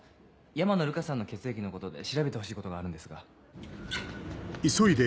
山野瑠香さんの血液のことで調べてほしいことがあるんですが。